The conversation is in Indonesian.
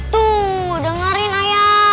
tuh dengerin ayo